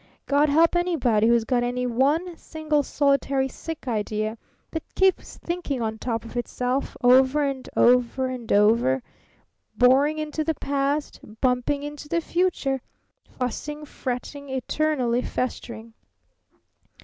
God help anybody who's got any one single, solitary sick idea that keeps thinking on top of itself, over and over and over, boring into the past, bumping into the future, fussing, fretting, eternally festering.